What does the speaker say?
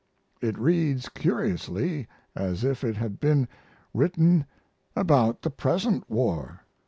It reads curiously as if it had been written about the present war.